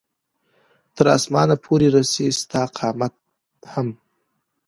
تر اسمانه پورې رسي ستا قامت هم